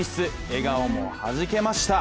笑顔もはじけました。